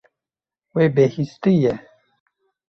Wê bihîstiye.